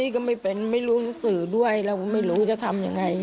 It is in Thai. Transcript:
ก็ไม่เป็นไม่รู้สื่อด้วยเราก็ไม่รู้จะทำยังไง